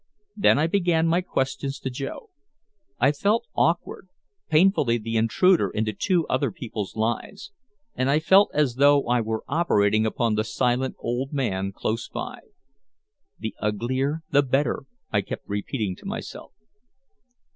Then I began my questions to Joe. I felt awkward, painfully the intruder into two other people's lives. And I felt as though I were operating upon the silent old man close by. "The uglier the better," I kept repeating to myself.